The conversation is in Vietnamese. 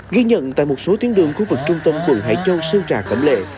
ghi nhận tại một số tuyến đường khu vực trung tâm quận hải châu sơn trà cẩm lệ